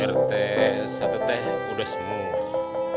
rt satu t udah semua